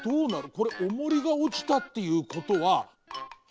これおもりがおちたっていうことは。